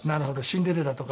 『シンデレラ』とか